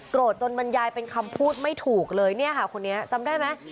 จนบรรยายเป็นคำพูดไม่ถูกเลยเนี่ยค่ะคนนี้จำได้ไหม